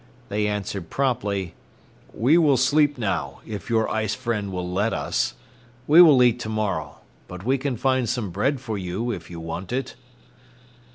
They answered promptly:— "We will sleep now, if your ice friend will let us. We will eat to morrow, but we can find some bread for you if you want it."